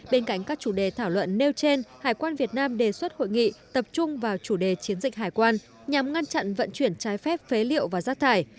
bên cạnh các chủ đề thảo luận nêu trên hải quan việt nam đề xuất hội nghị tập trung vào chủ đề chiến dịch hải quan nhằm ngăn chặn vận chuyển trái phép phế liệu và rác thải